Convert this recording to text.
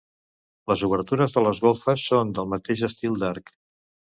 Les obertures de les golfes són del mateix estil d'arc.